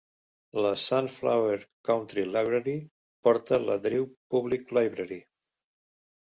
La Sunflower County Library porta la Drew Public Library.